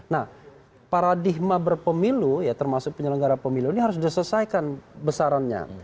nah paradigma berpemilu ya termasuk penyelenggara pemilu ini harus diselesaikan besarannya